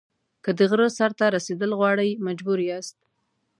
که د غره سر ته رسېدل غواړئ مجبور یاست.